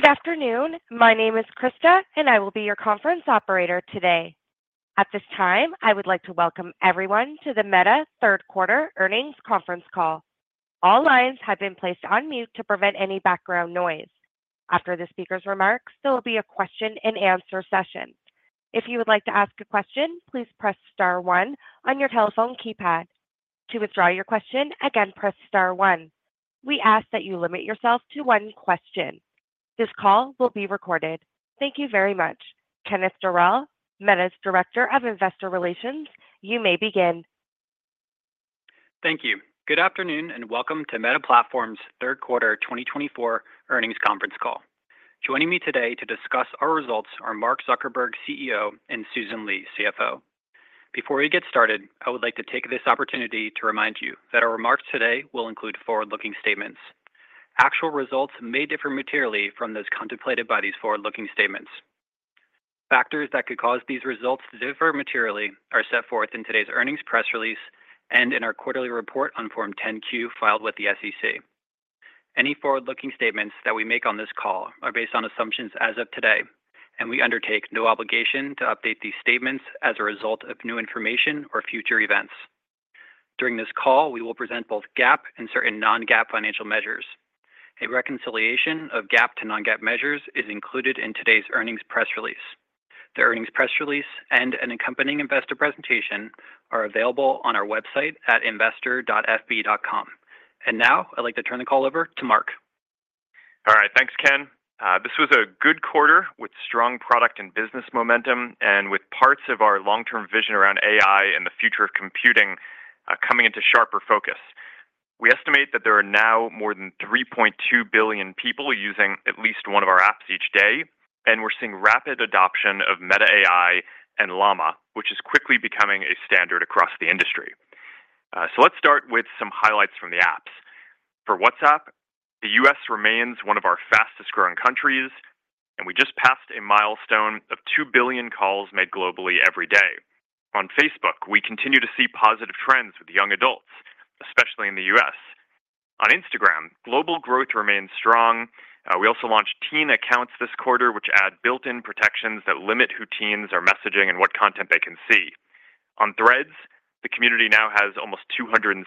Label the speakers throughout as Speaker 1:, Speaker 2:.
Speaker 1: Good afternoon. My name is Krista, and I will be your conference operator today. At this time, I would like to welcome everyone to the Meta Third Quarter Earnings conference call. All lines have been placed on mute to prevent any background noise. After the speaker's remarks, there will be a question-and-answer session. If you would like to ask a question, please press star one on your telephone keypad. To withdraw your question, again, press star one. We ask that you limit yourself to one question. This call will be recorded. Thank you very much. Kenneth Dorell, Meta's Director of Investor Relations, you may begin.
Speaker 2: Thank you. Good afternoon and welcome to Meta Platforms Third Quarter 2024 Earnings conference call. Joining me today to discuss our results are Mark Zuckerberg, CEO, and Susan Li, CFO. Before we get started, I would like to take this opportunity to remind you that our remarks today will include forward-looking statements. Actual results may differ materially from those contemplated by these forward-looking statements. Factors that could cause these results to differ materially are set forth in today's earnings press release and in our quarterly report on Form 10-Q filed with the SEC. Any forward-looking statements that we make on this call are based on assumptions as of today, and we undertake no obligation to update these statements as a result of new information or future events. During this call, we will present both GAAP and certain non-GAAP financial measures. A reconciliation of GAAP to non-GAAP measures is included in today's earnings press release. The earnings press release and an accompanying investor presentation are available on our website at investor.fb.com. And now, I'd like to turn the call over to Mark.
Speaker 3: All right. Thanks, Ken. This was a good quarter with strong product and business momentum and with parts of our long-term vision around AI and the future of computing coming into sharper focus. We estimate that there are now more than 3.2 billion people using at least one of our apps each day, and we're seeing rapid adoption of Meta AI and Llama, which is quickly becoming a standard across the industry. So let's start with some highlights from the apps. For WhatsApp, the US remains one of our fastest-growing countries, and we just passed a milestone of 2 billion calls made globally every day. On Facebook, we continue to see positive trends with young adults, especially in the US On Instagram, global growth remains strong. We also launched Teen Accounts this quarter, which add built-in protections that limit who teens are messaging and what content they can see. On Threads, the community now has almost 275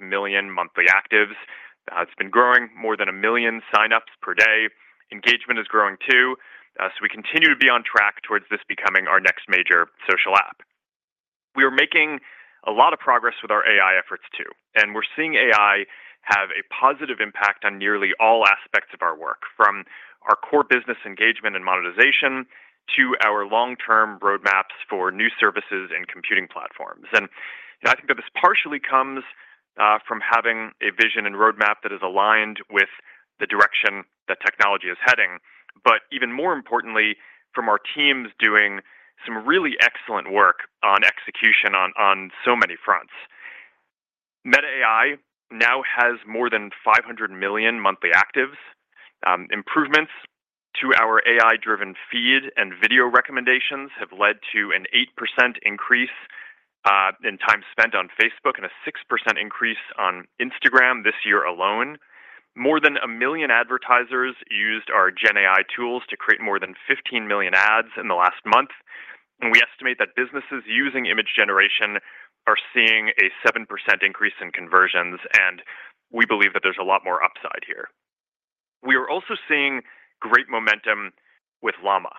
Speaker 3: million monthly actives. It's been growing more than a million sign-ups per day. Engagement is growing too, so we continue to be on track towards this becoming our next major social app. We are making a lot of progress with our AI efforts too, and we're seeing AI have a positive impact on nearly all aspects of our work, from our core business engagement and monetization to our long-term roadmaps for new services and computing platforms, And I think that this partially comes from having a vision and roadmap that is aligned with the direction that technology is heading, but even more importantly, from our teams doing some really excellent work on execution on so many fronts. Meta AI now has more than 500 million monthly actives. Improvements to our AI-driven feed and video recommendations have led to an 8% increase in time spent on Facebook and a 6% increase on Instagram this year alone. More than a million advertisers used our Gen AI tools to create more than 15 million ads in the last month. We estimate that businesses using image generation are seeing a 7% increase in conversions, and we believe that there's a lot more upside here. We are also seeing great momentum with Llama.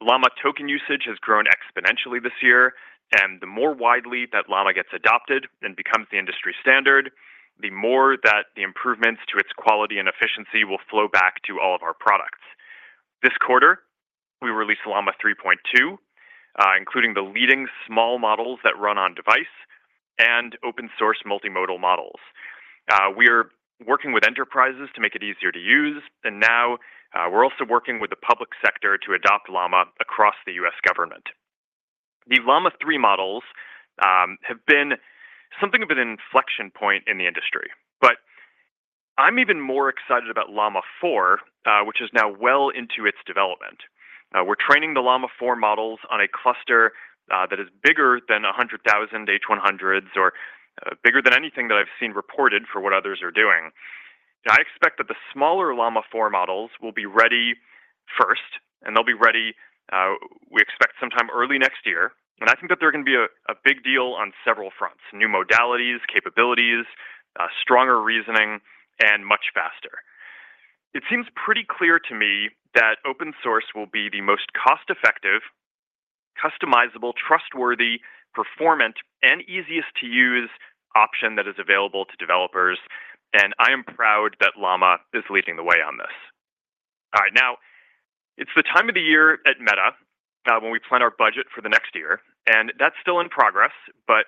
Speaker 3: Llama token usage has grown exponentially this year, and the more widely that Llama gets adopted and becomes the industry standard, the more that the improvements to its quality and efficiency will flow back to all of our products. This quarter, we released Llama 3.2, including the leading small models that run on-device and open-source multimodal models. We are working with enterprises to make it easier to use, and now we're also working with the public sector to adopt Llama across the US government. The Llama 3 models have been something of an inflection point in the industry, but I'm even more excited about Llama 4, which is now well into its development. We're training the Llama 4 models on a cluster that is bigger than 100,000 H100s or bigger than anything that I've seen reported for what others are doing. I expect that the smaller Llama 4 models will be ready first, and they'll be ready, we expect, sometime early next year, and I think that they're going to be a big deal on several fronts: new modalities, capabilities, stronger reasoning, and much faster. It seems pretty clear to me that open source will be the most cost-effective, customizable, trustworthy, performant, and easiest-to-use option that is available to developers, and I am proud that Llama is leading the way on this. All right. Now, it's the time of the year at Meta when we plan our budget for the next year, and that's still in progress, but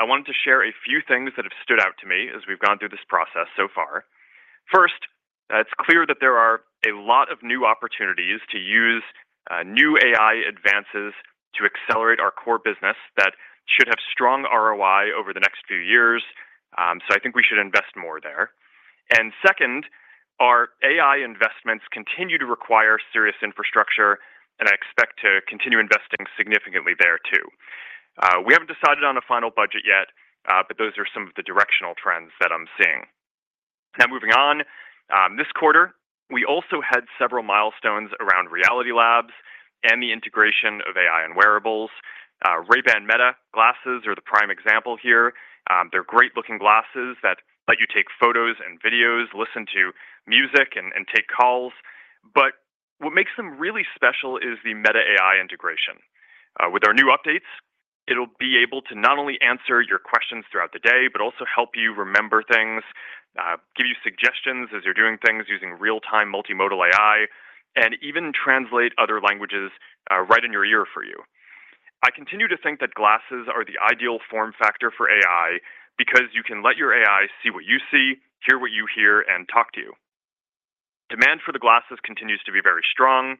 Speaker 3: I wanted to share a few things that have stood out to me as we've gone through this process so far. First, it's clear that there are a lot of new opportunities to use new AI advances to accelerate our core business that should have strong ROI over the next few years, so I think we should invest more there. And second, our AI investments continue to require serious infrastructure, and I expect to continue investing significantly there too. We haven't decided on a final budget yet, but those are some of the directional trends that I'm seeing. Now, moving on, this quarter, we also had several milestones around Reality Labs and the integration of AI and wearables. Ray-Ban Meta glasses are the prime example here. They're great-looking glasses that let you take photos and videos, listen to music, and take calls. But what makes them really special is the Meta AI integration. With our new updates, it'll be able to not only answer your questions throughout the day, but also help you remember things, give you suggestions as you're doing things using real-time multimodal AI, and even translate other languages right in your ear for you. I continue to think that glasses are the ideal form factor for AI because you can let your AI see what you see, hear what you hear, and talk to you. Demand for the glasses continues to be very strong.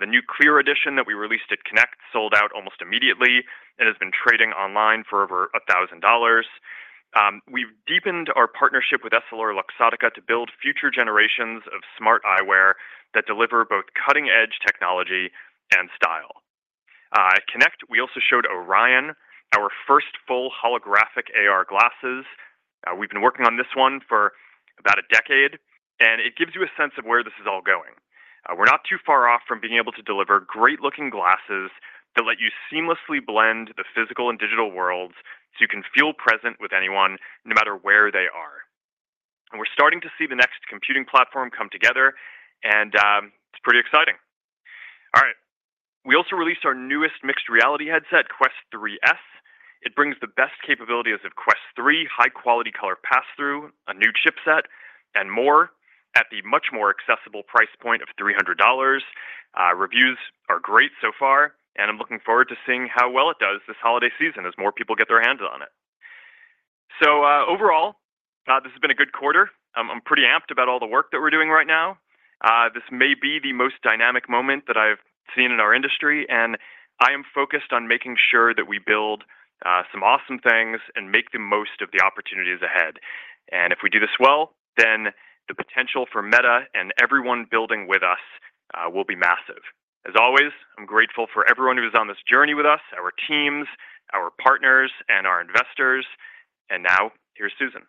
Speaker 3: The new Clear edition that we released at Connect sold out almost immediately and has been trading online for over $1,000. We've deepened our partnership with EssilorLuxottica to build future generations of smart eyewear that deliver both cutting-edge technology and style. At Connect, we also showed Orion, our first full holographic AR glasses. We've been working on this one for about a decade, and it gives you a sense of where this is all going. We're not too far off from being able to deliver great-looking glasses that let you seamlessly blend the physical and digital worlds so you can feel present with anyone no matter where they are, and we're starting to see the next computing platform come together, and it's pretty exciting. All right. We also released our newest mixed reality headset, Quest 3S. It brings the best capabilities of Quest 3, high-quality color passthrough, a new chipset, and more at the much more accessible price point of $300. Reviews are great so far, and I'm looking forward to seeing how well it does this holiday season as more people get their hands on it. So overall, this has been a good quarter. I'm pretty amped about all the work that we're doing right now. This may be the most dynamic moment that I've seen in our industry, and I am focused on making sure that we build some awesome things and make the most of the opportunities ahead. And if we do this well, then the potential for Meta and everyone building with us will be massive. As always, I'm grateful for everyone who's on this journey with us, our teams, our partners, and our investors. And now, here's Susan.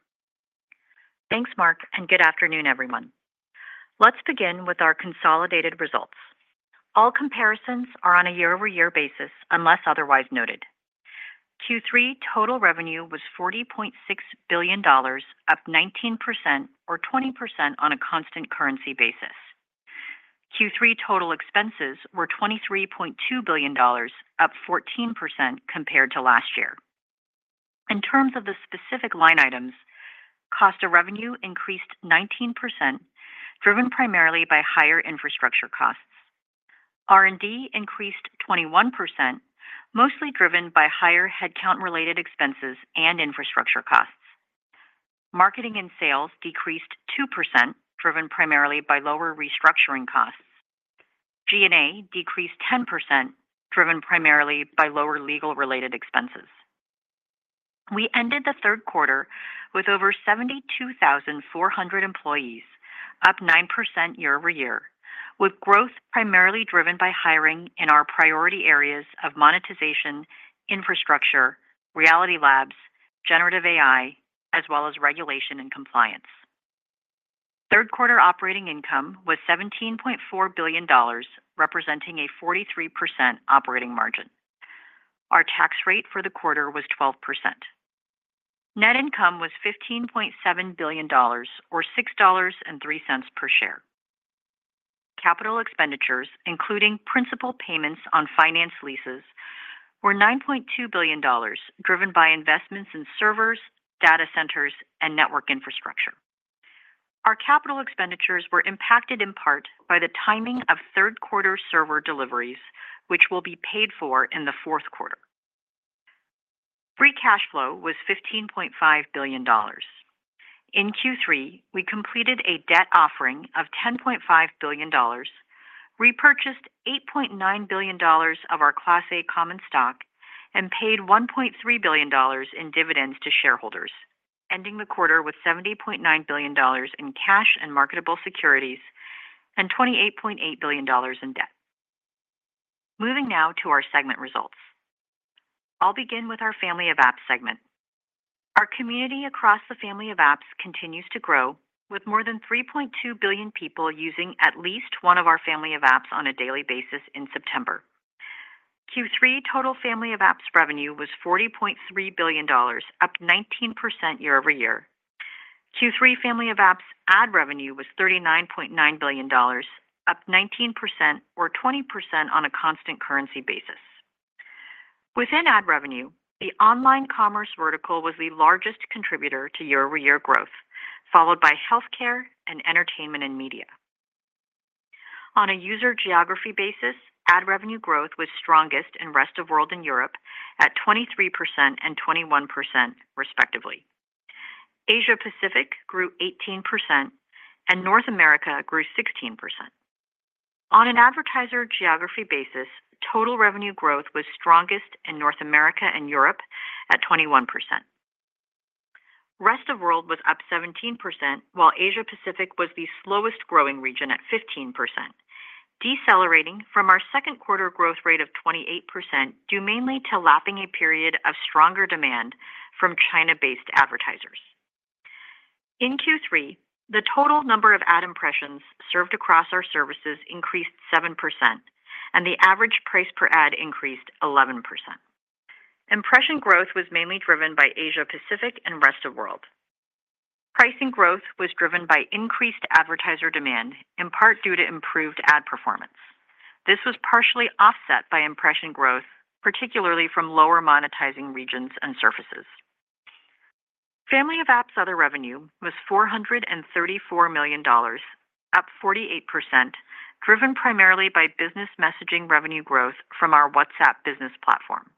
Speaker 4: Thanks, Mark, and good afternoon, everyone. Let's begin with our consolidated results. All comparisons are on a year-over-year basis unless otherwise noted. Q3 total revenue was $40.6 billion, up 19% or 20% on a constant currency basis. Q3 total expenses were $23.2 billion, up 14% compared to last year. In terms of the specific line items, cost of revenue increased 19%, driven primarily by higher infrastructure costs. R&D increased 21%, mostly driven by higher headcount-related expenses and infrastructure costs. Marketing and sales decreased 2%, driven primarily by lower restructuring costs. G&A decreased 10%, driven primarily by lower legal-related expenses. We ended the third quarter with over 72,400 employees, up 9% year-over-year, with growth primarily driven by hiring in our priority areas of monetization, infrastructure, Reality Labs, generative AI, as well as regulation and compliance. Third quarter operating income was $17.4 billion, representing a 43% operating margin. Our tax rate for the quarter was 12%. Net income was $15.7 billion, or $6.03 per share. Capital expenditures, including principal payments on finance leases, were $9.2 billion, driven by investments in servers, data centers, and network infrastructure. Our capital expenditures were impacted in part by the timing of third-quarter server deliveries, which will be paid for in the fourth quarter. Free cash flow was $15.5 billion. In Q3, we completed a debt offering of $10.5 billion, repurchased $8.9 billion of our Class A common stock, and paid $1.3 billion in dividends to shareholders, ending the quarter with $70.9 billion in cash and marketable securities and $28.8 billion in debt. Moving now to our segment results. I'll begin with our Family of Apps segment. Our community across the Family of Apps continues to grow, with more than 3.2 billion people using at least one of our Family of Apps on a daily basis in September. Q3 total Family of Apps revenue was $40.3 billion, up 19% year-over-year. Q3 Family of Apps ad revenue was $39.9 billion, up 19% or 20% on a constant currency basis. Within ad revenue, the online commerce vertical was the largest contributor to year-over-year growth, followed by healthcare and entertainment and media. On a user geography basis, ad revenue growth was strongest in Rest of World and Europe at 23% and 21%, respectively. Asia-Pacific grew 18%, and North America grew 16%. On an advertiser geography basis, total revenue growth was strongest in North America and Europe at 21%. Rest of World was up 17%, while Asia-Pacific was the slowest-growing region at 15%, decelerating from our second quarter growth rate of 28% due mainly to lapping a period of stronger demand from China-based advertisers. In Q3, the total number of ad impressions served across our services increased 7%, and the average price per ad increased 11%. Impression growth was mainly driven by Asia-Pacific and Rest of World. Pricing growth was driven by increased advertiser demand, in part due to improved ad performance. This was partially offset by impression growth, particularly from lower monetizing regions and surfaces. Family of Apps other revenue was $434 million, up 48%, driven primarily by business messaging revenue growth from our WhatsApp business platform.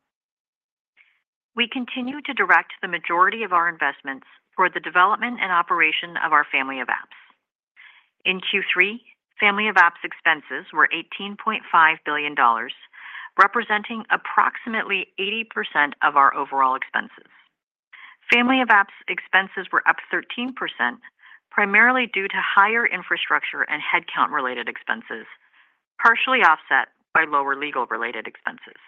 Speaker 4: We continue to direct the majority of our investments toward the development and operation of our Family of Apps. In Q3, Family of Apps expenses were $18.5 billion, representing approximately 80% of our overall expenses. Family of apps expenses were up 13%, primarily due to higher infrastructure and headcount-related expenses, partially offset by lower legal-related expenses.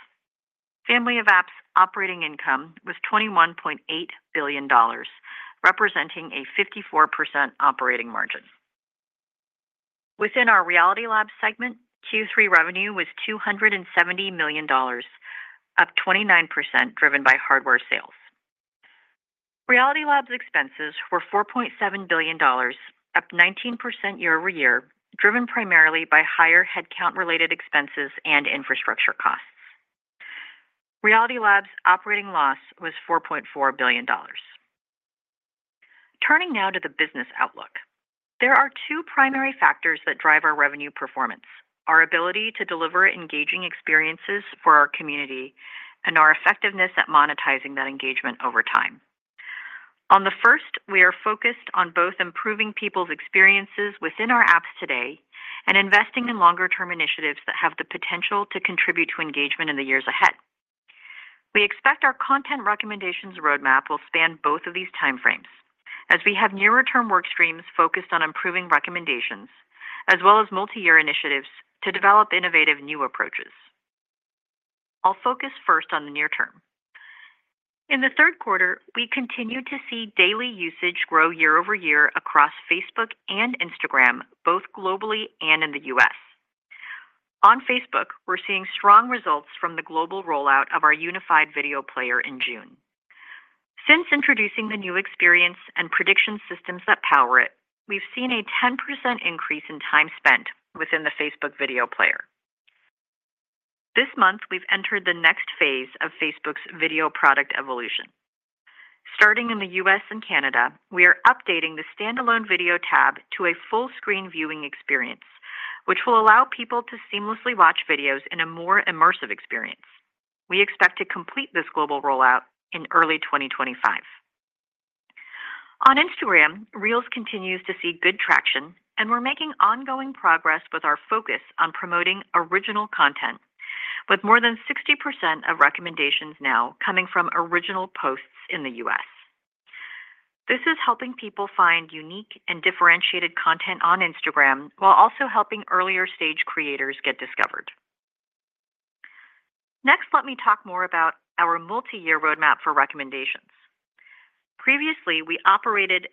Speaker 4: Family of apps operating income was $21.8 billion, representing a 54% operating margin. Within our Reality Labs segment, Q3 revenue was $270 million, up 29%, driven by hardware sales. Reality Labs expenses were $4.7 billion, up 19% year-over-year, driven primarily by higher headcount-related expenses and infrastructure costs. Reality Labs operating loss was $4.4 billion. Turning now to the business outlook, there are two primary factors that drive our revenue performance: our ability to deliver engaging experiences for our community and our effectiveness at monetizing that engagement over time. On the first, we are focused on both improving people's experiences within our apps today and investing in longer-term initiatives that have the potential to contribute to engagement in the years ahead. We expect our content recommendations roadmap will span both of these time frames, as we have nearer-term work streams focused on improving recommendations, as well as multi-year initiatives to develop innovative new approaches. I'll focus first on the near term. In the third quarter, we continue to see daily usage grow year-over-year across Facebook and Instagram, both globally and in the US. On Facebook, we're seeing strong results from the global rollout of our unified video player in June. Since introducing the new experience and prediction systems that power it, we've seen a 10% increase in time spent within the Facebook video player. This month, we've entered the next phase of Facebook's video product evolution. Starting in the US and Canada, we are updating the standalone video tab to a full-screen viewing experience, which will allow people to seamlessly watch videos in a more immersive experience. We expect to complete this global rollout in early 2025. On Instagram, Reels continues to see good traction, and we're making ongoing progress with our focus on promoting original content, with more than 60% of recommendations now coming from original posts in the US. This is helping people find unique and differentiated content on Instagram while also helping earlier-stage creators get discovered. Next, let me talk more about our multi-year roadmap for recommendations. Previously, we operated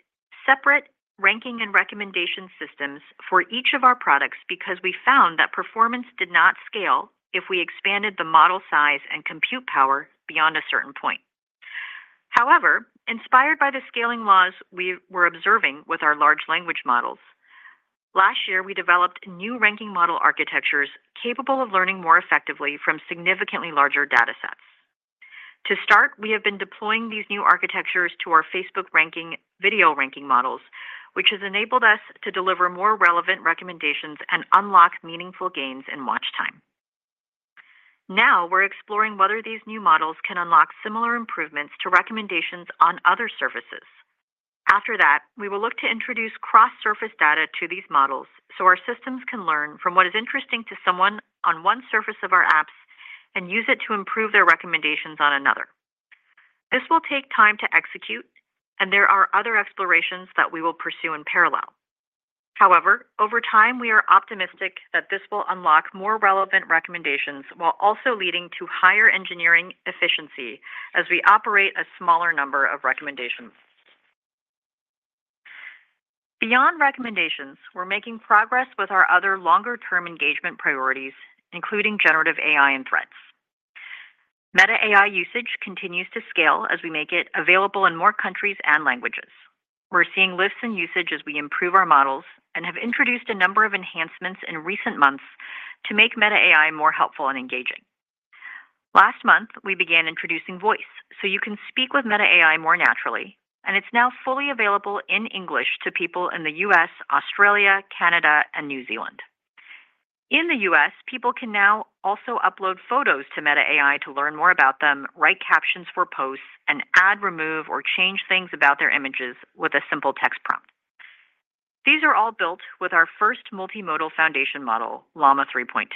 Speaker 4: separate ranking and recommendation systems for each of our products because we found that performance did not scale if we expanded the model size and compute power beyond a certain point. However, inspired by the scaling laws we were observing with our large language models, last year, we developed new ranking model architectures capable of learning more effectively from significantly larger data sets. To start, we have been deploying these new architectures to our Facebook ranking video ranking models, which has enabled us to deliver more relevant recommendations and unlock meaningful gains in watch time. Now, we're exploring whether these new models can unlock similar improvements to recommendations on other services. After that, we will look to introduce cross-surface data to these models so our systems can learn from what is interesting to someone on one surface of our apps and use it to improve their recommendations on another. This will take time to execute, and there are other explorations that we will pursue in parallel. However, over time, we are optimistic that this will unlock more relevant recommendations while also leading to higher engineering efficiency as we operate a smaller number of recommendations. Beyond recommendations, we're making progress with our other longer-term engagement priorities, including generative AI and Threads. Meta AI usage continues to scale as we make it available in more countries and languages. We're seeing lifts in usage as we improve our models and have introduced a number of enhancements in recent months to make Meta AI more helpful and engaging. Last month, we began introducing voice so you can speak with Meta AI more naturally, and it's now fully available in English to people in the US, Australia, Canada, and New Zealand. In the US, people can now also upload photos to Meta AI to learn more about them, write captions for posts, and add, remove, or change things about their images with a simple text prompt. These are all built with our first multimodal foundation model, Llama 3.2.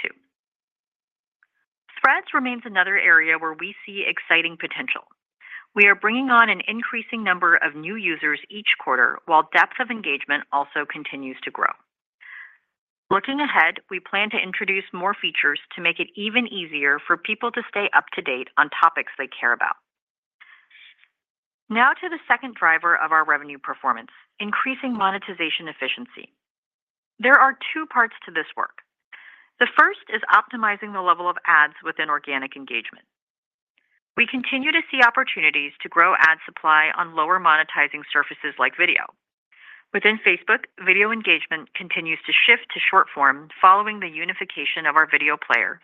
Speaker 4: Threads remains another area where we see exciting potential. We are bringing on an increasing number of new users each quarter while depth of engagement also continues to grow. Looking ahead, we plan to introduce more features to make it even easier for people to stay up to date on topics they care about. Now to the second driver of our revenue performance: increasing monetization efficiency. There are two parts to this work. The first is optimizing the level of ads within organic engagement. We continue to see opportunities to grow ad supply on lower monetizing surfaces like video. Within Facebook, video engagement continues to shift to short form following the unification of our video player,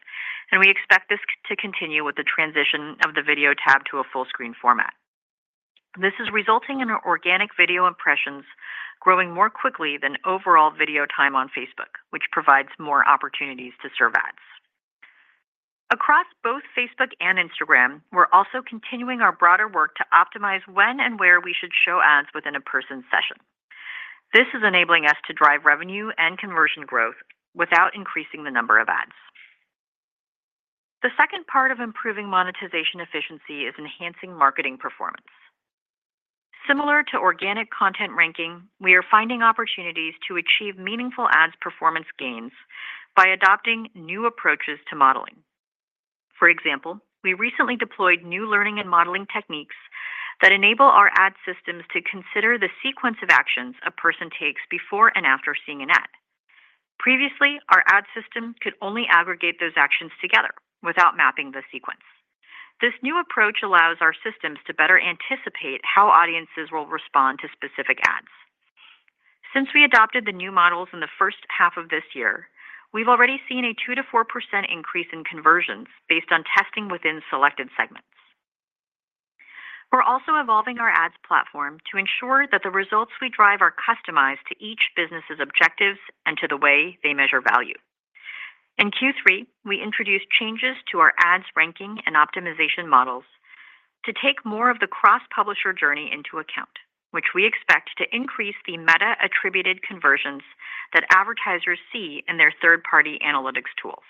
Speaker 4: and we expect this to continue with the transition of the video tab to a full-screen format. This is resulting in organic video impressions growing more quickly than overall video time on Facebook, which provides more opportunities to serve ads. Across both Facebook and Instagram, we're also continuing our broader work to optimize when and where we should show ads within a person's session. This is enabling us to drive revenue and conversion growth without increasing the number of ads. The second part of improving monetization efficiency is enhancing marketing performance. Similar to organic content ranking, we are finding opportunities to achieve meaningful ads performance gains by adopting new approaches to modeling. For example, we recently deployed new learning and modeling techniques that enable our ad systems to consider the sequence of actions a person takes before and after seeing an ad. Previously, our ad system could only aggregate those actions together without mapping the sequence. This new approach allows our systems to better anticipate how audiences will respond to specific ads. Since we adopted the new models in the first half of this year, we've already seen a 2% to 4% increase in conversions based on testing within selected segments. We're also evolving our ads platform to ensure that the results we drive are customized to each business's objectives and to the way they measure value. In Q3, we introduced changes to our ads ranking and optimization models to take more of the cross-publisher journey into account, which we expect to increase the Meta-attributed conversions that advertisers see in their third-party analytics tools.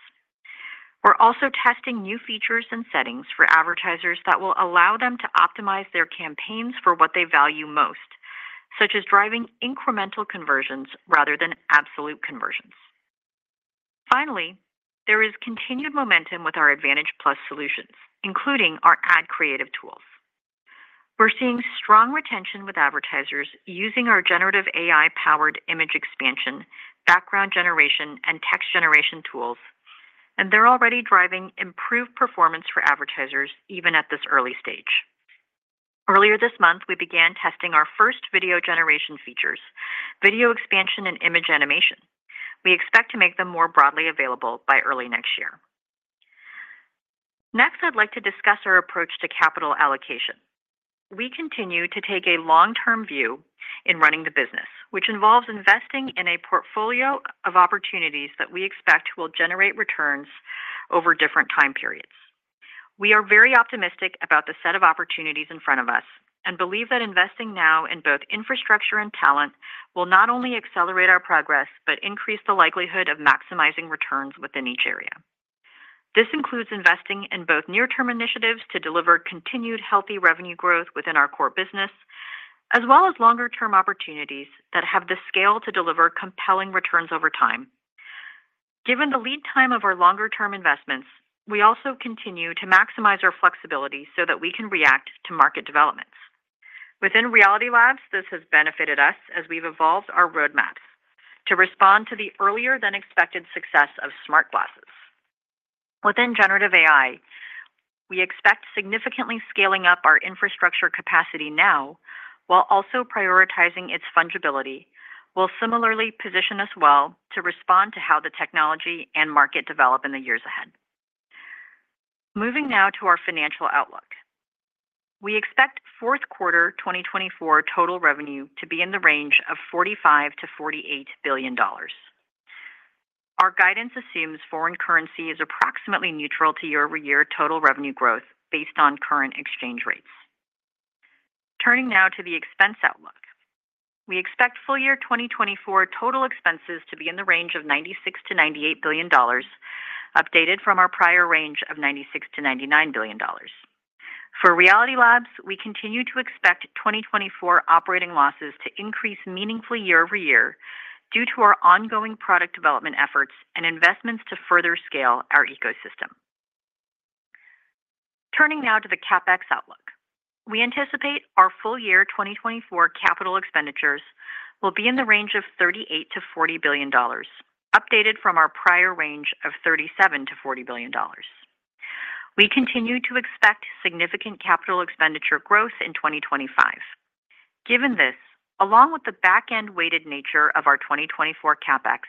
Speaker 4: We're also testing new features and settings for advertisers that will allow them to optimize their campaigns for what they value most, such as driving incremental conversions rather than absolute conversions. Finally, there is continued momentum with our Advantage+ solutions, including our ad creative tools. We're seeing strong retention with advertisers using our generative AI-powered image expansion, background generation, and text generation tools, and they're already driving improved performance for advertisers even at this early stage. Earlier this month, we began testing our first video generation features, video expansion, and image animation. We expect to make them more broadly available by early next year. Next, I'd like to discuss our approach to capital allocation. We continue to take a long-term view in running the business, which involves investing in a portfolio of opportunities that we expect will generate returns over different time periods. We are very optimistic about the set of opportunities in front of us and believe that investing now in both infrastructure and talent will not only accelerate our progress but increase the likelihood of maximizing returns within each area. This includes investing in both near-term initiatives to deliver continued healthy revenue growth within our core business, as well as longer-term opportunities that have the scale to deliver compelling returns over time. Given the lead time of our longer-term investments, we also continue to maximize our flexibility so that we can react to market developments. Within Reality Labs, this has benefited us as we've evolved our roadmaps to respond to the earlier-than-expected success of smart glasses. Within generative AI, we expect significantly scaling up our infrastructure capacity now while also prioritizing its fungibility will similarly position us well to respond to how the technology and market develop in the years ahead. Moving now to our financial outlook, we expect fourth quarter 2024 total revenue to be in the range of $45 to $48 billion. Our guidance assumes foreign currency is approximately neutral to year-over-year total revenue growth based on current exchange rates. Turning now to the expense outlook, we expect full year 2024 total expenses to be in the range of $96 to $98 billion, updated from our prior range of $96 to $99 billion. For Reality Labs, we continue to expect 2024 operating losses to increase meaningfully year-over-year due to our ongoing product development efforts and investments to further scale our ecosystem. Turning now to the CapEx outlook, we anticipate our full year 2024 capital expenditures will be in the range of $38 to $40 billion, updated from our prior range of $37 to $40 billion. We continue to expect significant capital expenditure growth in 2025. Given this, along with the back-end-weighted nature of our 2024 CapEx,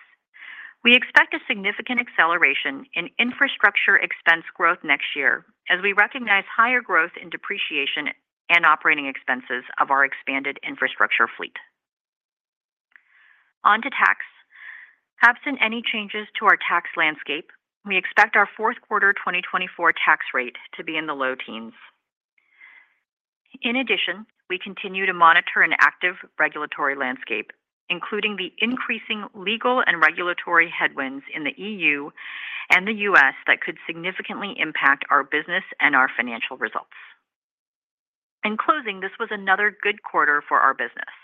Speaker 4: we expect a significant acceleration in infrastructure expense growth next year as we recognize higher growth in depreciation and operating expenses of our expanded infrastructure fleet. On to tax. Absent any changes to our tax landscape, we expect our fourth quarter 2024 tax rate to be in the low teens. In addition, we continue to monitor an active regulatory landscape, including the increasing legal and regulatory headwinds in the E.U. and the US that could significantly impact our business and our financial results. In closing, this was another good quarter for our business.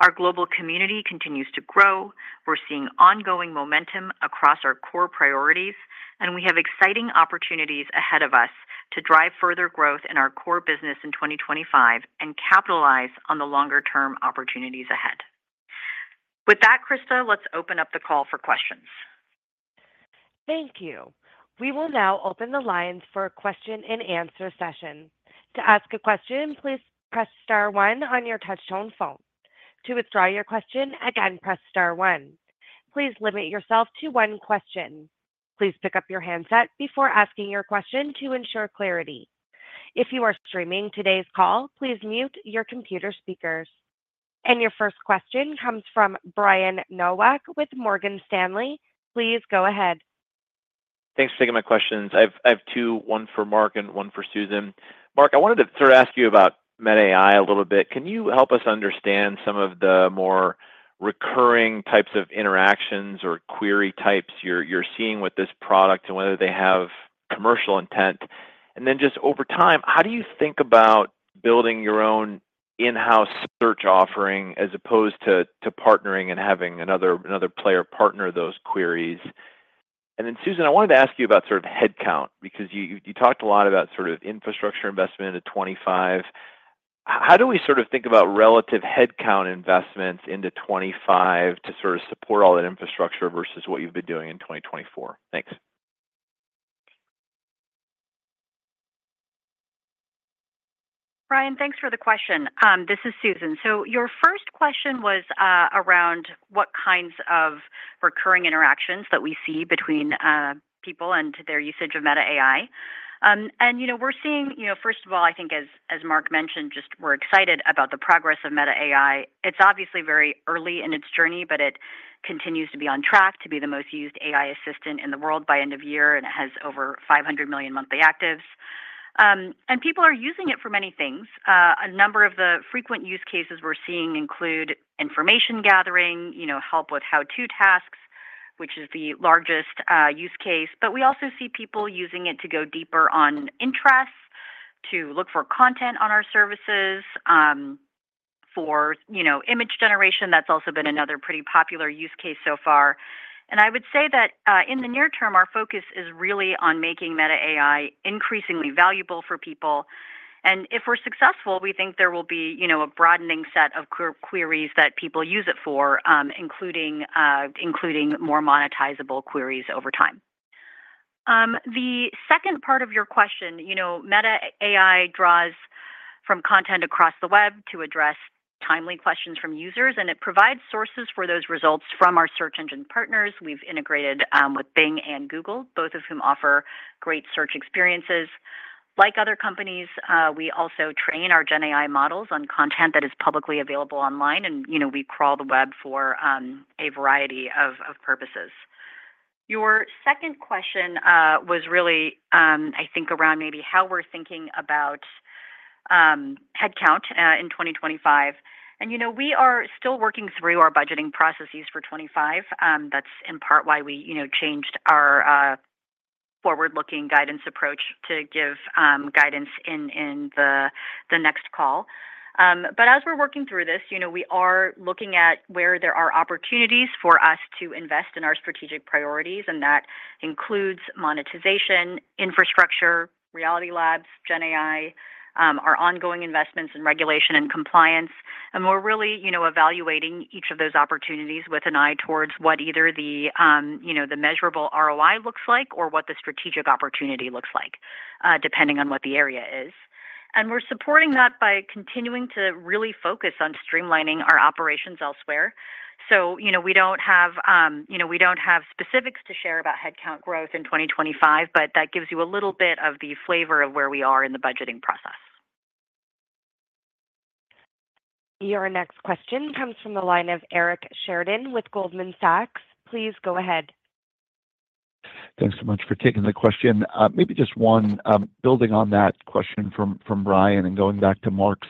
Speaker 4: Our global community continues to grow. We're seeing ongoing momentum across our core priorities, and we have exciting opportunities ahead of us to drive further growth in our core business in 2025 and capitalize on the longer-term opportunities ahead. With that, Krista, let's open up the call for questions.
Speaker 1: Thank you. We will now open the lines for a question-and-answer session. To ask a question, please press star one on your touch-tone phone. To withdraw your question, again, press star one. Please limit yourself to one question. Please pick up your handset before asking your question to ensure clarity. If you are streaming today's call, please mute your computer speakers. And your first question comes from Brian Nowak with Morgan Stanley. Please go ahead.
Speaker 5: Thanks for taking my questions. I have two, one for Mark and one for Susan. Mark, I wanted to sort of ask you about Meta AI a little bit. Can you help us understand some of the more recurring types of interactions or query types you're seeing with this product and whether they have commercial intent? And then just over time, how do you think about building your own in-house search offering as opposed to partnering and having another player partner those queries? And then, Susan, I wanted to ask you about sort of headcount because you talked a lot about sort of infrastructure investment into 2025. How do we sort of think about relative headcount investments into 2025 to sort of support all that infrastructure versus what you've been doing in 2024? Thanks.
Speaker 4: Brian, thanks for the question. This is Susan. So your first question was around what kinds of recurring interactions that we see between people and their usage of Meta AI. And we're seeing, first of all, I think, as Mark mentioned, just we're excited about the progress of Meta AI. It's obviously very early in its journey, but it continues to be on track to be the most used AI assistant in the world by end of year, and it has over 500 million monthly actives. And people are using it for many things. A number of the frequent use cases we're seeing include information gathering, help with how-to tasks, which is the largest use case. But we also see people using it to go deeper on interests, to look for content on our services, for image generation. That's also been another pretty popular use case so far. And I would say that in the near term, our focus is really on making Meta AI increasingly valuable for people. And if we're successful, we think there will be a broadening set of queries that people use it for, including more monetizable queries over time. The second part of your question, Meta AI draws from content across the web to address timely questions from users, and it provides sources for those results from our search engine partners. We've integrated with Bing and Google, both of whom offer great search experiences. Like other companies, we also train our Gen AI models on content that is publicly available online, and we crawl the web for a variety of purposes. Your second question was really, I think, around maybe how we're thinking about headcount in 2025, and we are still working through our budgeting processes for 2025. That's in part why we changed our forward-looking guidance approach to give guidance in the next call, but as we're working through this, we are looking at where there are opportunities for us to invest in our strategic priorities. And that includes monetization, infrastructure, Reality Labs, Gen AI, our ongoing investments in regulation and compliance, and we're really evaluating each of those opportunities with an eye towards what either the measurable ROI looks like or what the strategic opportunity looks like, depending on what the area is, and we're supporting that by continuing to really focus on streamlining our operations elsewhere. So we don't have specifics to share about headcount growth in 2025, but that gives you a little bit of the flavor of where we are in the budgeting process.
Speaker 1: Your next question comes from the line of Eric Sheridan with Goldman Sachs. Please go ahead.
Speaker 6: Thanks so much for taking the question. Maybe just one building on that question from Brian and going back to Mark's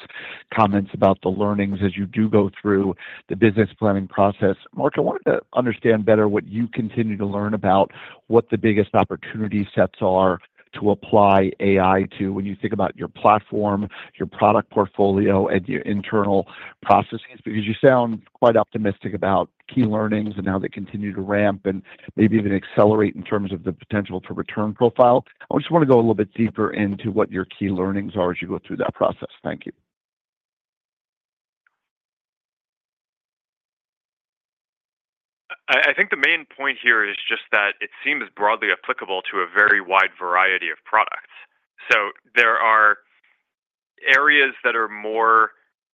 Speaker 6: comments about the learnings as you do go through the business planning process. Mark, I wanted to understand better what you continue to learn about what the biggest opportunity sets are to apply AI to when you think about your platform, your product portfolio, and your internal processes, because you sound quite optimistic about key learnings and how they continue to ramp and maybe even accelerate in terms of the potential for return profile. I just want to go a little bit deeper into what your key learnings are as you go through that process. Thank you.
Speaker 3: I think the main point here is just that it seems broadly applicable to a very wide variety of products. So there are areas that are more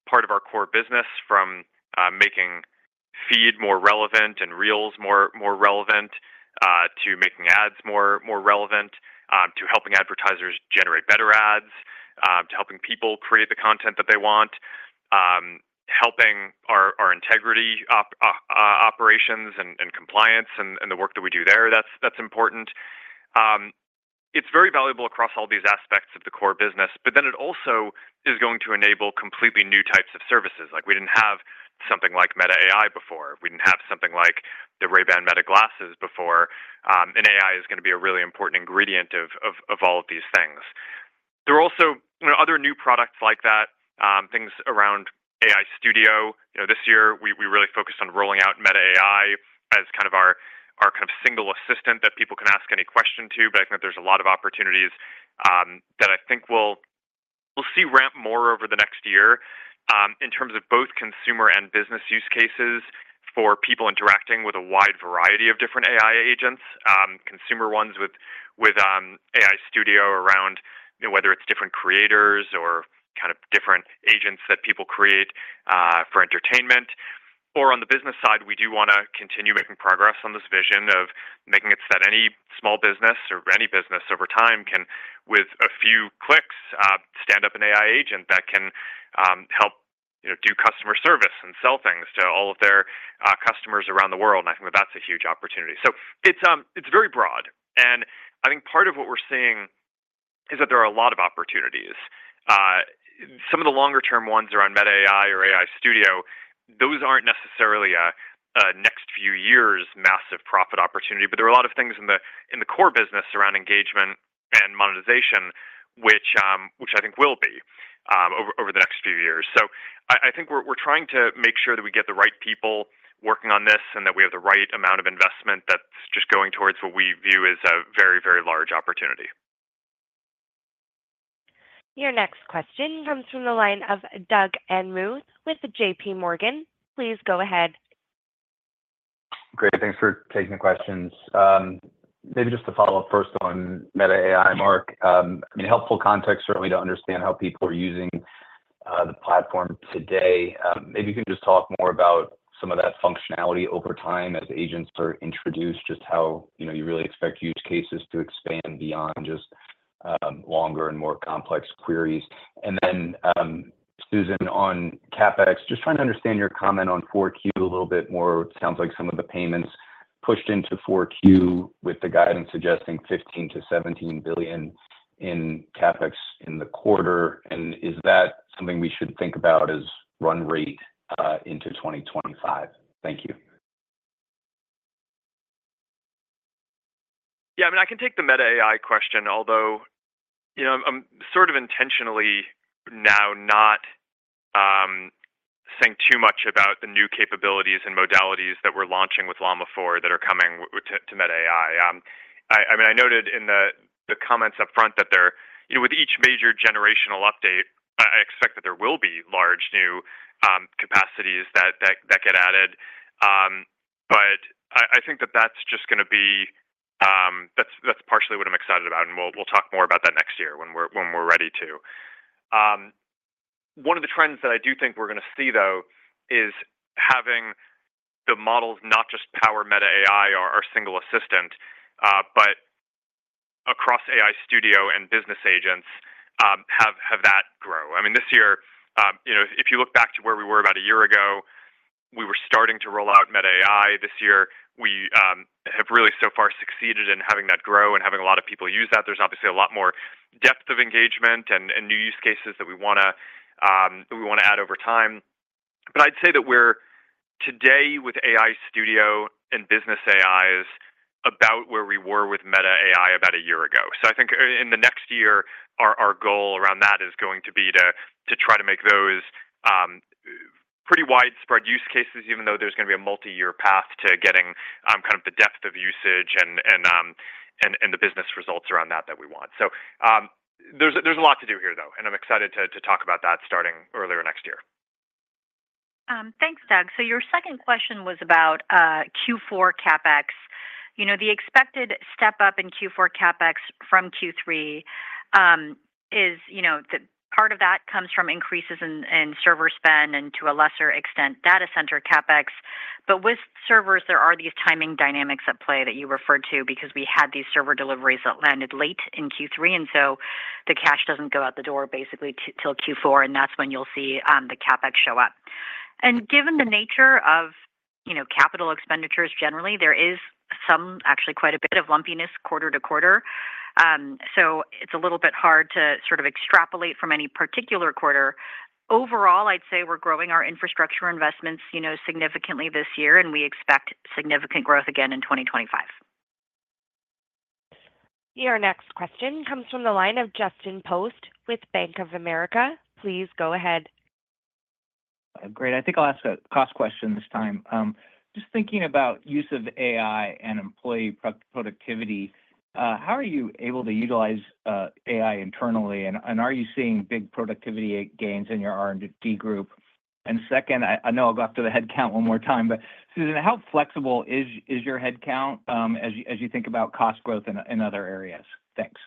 Speaker 3: part of our core business, from making Feed more relevant and Reels more relevant, to making ads more relevant, to helping advertisers generate better ads, to helping people create the content that they want, helping our integrity operations and compliance and the work that we do there. That's important. It's very valuable across all these aspects of the core business, but then it also is going to enable completely new types of services. We didn't have something like Meta AI before. We didn't have something like the Ray-Ban Meta glasses before. AI is going to be a really important ingredient of all of these things. There are also other new products like that, things around AI Studio. This year, we really focused on rolling out Meta AI as kind of our single assistant that people can ask any question to. But I think there's a lot of opportunities that we'll see ramp more over the next year in terms of both consumer and business use cases for people interacting with a wide variety of different AI agents, consumer ones with AI Studio around whether it's different creators or kind of different agents that people create for entertainment. Or on the business side, we do want to continue making progress on this vision of making it so that any small business or any business over time can, with a few clicks, stand up an AI agent that can help do customer service and sell things to all of their customers around the world. And I think that that's a huge opportunity. So it's very broad. And I think part of what we're seeing is that there are a lot of opportunities. Some of the longer-term ones around Meta AI or AI Studio, those aren't necessarily a next few years' massive profit opportunity, but there are a lot of things in the core business around engagement and monetization, which I think will be over the next few years. So I think we're trying to make sure that we get the right people working on this and that we have the right amount of investment that's just going towards what we view as a very, very large opportunity.
Speaker 1: Your next question comes from the line of Doug Anmuth with J.P. Morgan. Please go ahead.
Speaker 7: Great. Thanks for taking the questions. Maybe just to follow up first on Meta AI, Mark. I mean, helpful context certainly to understand how people are using the platform today. Maybe you can just talk more about some of that functionality over time as agents are introduced, just how you really expect use cases to expand beyond just longer and more complex queries. And then, Susan, on CapEx, just trying to understand your comment on 4Q a little bit more. It sounds like some of the payments pushed into 4Q with the guidance suggesting $15 to $17 billion in CapEx in the quarter. And is that something we should think about as run rate into 2025? Thank you.
Speaker 3: Yeah. I mean, I can take the Meta AI question, although I'm sort of intentionally now not saying too much about the new capabilities and modalities that we're launching with Llama 4 that are coming to Meta AI. I mean, I noted in the comments upfront that with each major generational update, I expect that there will be large new capacities that get added. But I think that that's just going to be partially what I'm excited about, and we'll talk more about that next year when we're ready to. One of the trends that I do think we're going to see, though, is having the models not just power Meta AI or single assistant, but across AI Studio and business agents have that grow. I mean, this year, if you look back to where we were about a year ago, we were starting to roll out Meta AI. This year, we have really so far succeeded in having that grow and having a lot of people use that. There's obviously a lot more depth of engagement and new use cases that we want to add over time. But I'd say that we're today with AI Studio and business AI is about where we were with Meta AI about a year ago. So I think in the next year, our goal around that is going to be to try to make those pretty widespread use cases, even though there's going to be a multi-year path to getting kind of the depth of usage and the business results around that that we want. So there's a lot to do here, though, and I'm excited to talk about that starting earlier next year.
Speaker 4: Thanks, Doug. So your second question was about Q4 CapEx. The expected step-up in Q4 CapEx from Q3 is part of that comes from increases in server spend and to a lesser extent, data center CapEx. But with servers, there are these timing dynamics at play that you referred to because we had these server deliveries that landed late in Q3, and so the cash doesn't go out the door basically till Q4, and that's when you'll see the CapEx show up. And given the nature of capital expenditures generally, there is some, actually quite a bit of lumpiness quarter to quarter. So it's a little bit hard to sort of extrapolate from any particular quarter. Overall, I'd say we're growing our infrastructure investments significantly this year, and we expect significant growth again in 2025.
Speaker 1: Your next question comes from the line of Justin Post with Bank of America. Please go ahead.
Speaker 8: Great. I think I'll ask a cost question this time. Just thinking about use of AI and employee productivity, how are you able to utilize AI internally, and are you seeing big productivity gains in your R&D group? Second, I know I'll go after the headcount one more time, but Susan, how flexible is your headcount as you think about cost growth in other areas? Thanks.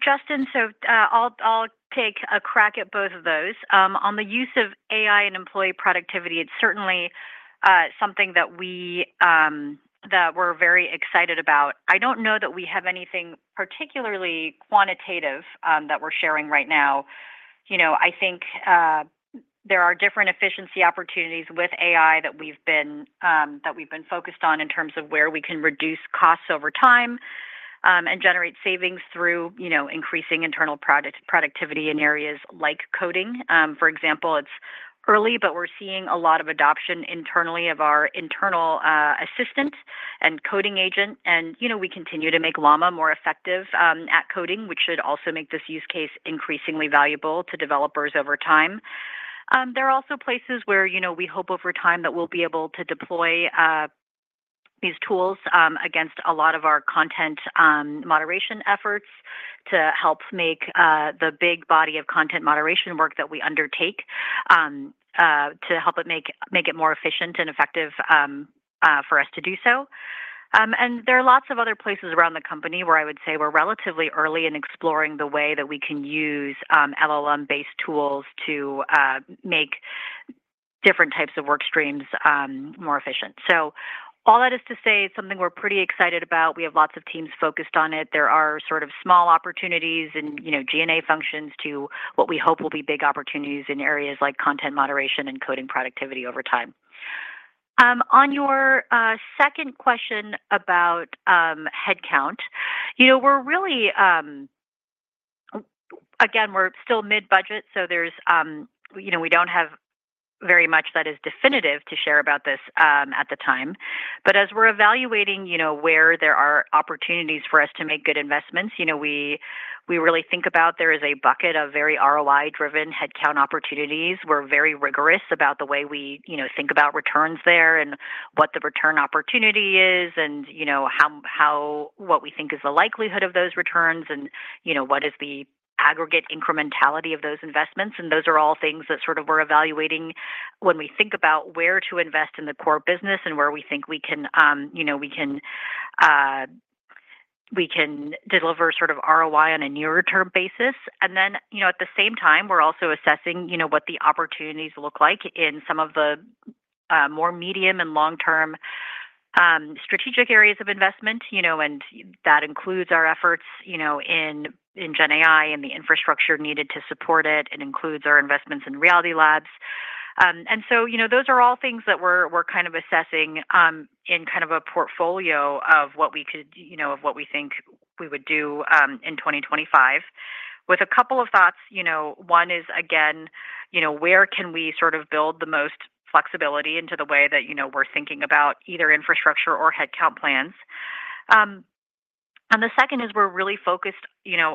Speaker 4: Justin, so I'll take a crack at both of those. On the use of AI and employee productivity, it's certainly something that we're very excited about. I don't know that we have anything particularly quantitative that we're sharing right now. I think there are different efficiency opportunities with AI that we've been focused on in terms of where we can reduce costs over time and generate savings through increasing internal productivity in areas like coding. For example, it's early, but we're seeing a lot of adoption internally of our internal assistant and coding agent. And we continue to make Llama more effective at coding, which should also make this use case increasingly valuable to developers over time. There are also places where we hope over time that we'll be able to deploy these tools against a lot of our content moderation efforts to help make the big body of content moderation work that we undertake to help it make it more efficient and effective for us to do so. And there are lots of other places around the company where I would say we're relatively early in exploring the way that we can use LLM-based tools to make different types of work streams more efficient. So all that is to say, it's something we're pretty excited about. We have lots of teams focused on it. There are sort of small opportunities in G&A functions to what we hope will be big opportunities in areas like content moderation and coding productivity over time. On your second question about headcount, again, we're still mid-budget, so we don't have very much that is definitive to share about this at the time. But as we're evaluating where there are opportunities for us to make good investments, we really think about there is a bucket of very ROI-driven headcount opportunities. We're very rigorous about the way we think about returns there and what the return opportunity is and what we think is the likelihood of those returns and what is the aggregate incrementality of those investments. Those are all things that sort of, we're evaluating when we think about where to invest in the core business and where we think we can deliver sort of ROI on a near-term basis. And then at the same time, we're also assessing what the opportunities look like in some of the more medium and long-term strategic areas of investment. And that includes our efforts in Gen AI and the infrastructure needed to support it. It includes our investments in Reality Labs. And so those are all things that we're kind of assessing in kind of a portfolio of what we could, of what we think we would do in 2025. With a couple of thoughts. One is, again, where can we sort of build the most flexibility into the way that we're thinking about either infrastructure or headcount plans? And the second is we're really focused